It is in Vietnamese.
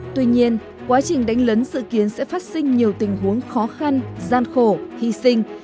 tuy nhiên quá trình đánh lấn dự kiến sẽ phát sinh nhiều tình huống khó khăn gian khổ hy sinh